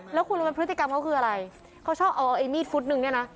แล้วคุณรู้ไหมพฤติกรรมเขาคืออะไรเขาชอบเอาไอ้มีดฟุตนึงเนี่ยนะ